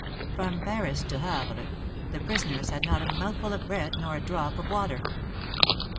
From Paris to Havre, the prisoners had not a mouthful of bread nor a drop of water.